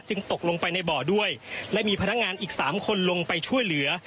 ตกลงไปในบ่อด้วยและมีพนักงานอีกสามคนลงไปช่วยเหลือ